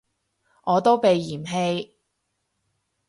我都被嫌棄